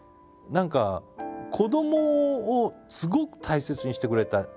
何か子どもをすごく大切にしてくれた。